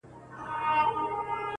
هسي نه چي په دنیا پسي زهیر یم »،